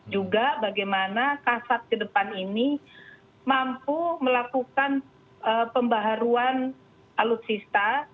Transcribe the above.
juga bagaimana kasat ke depan ini mampu melakukan pembaharuan alutsista